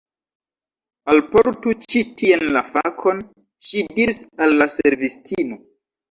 Alportu ĉi tien la kafon, ŝi diris al la servistino.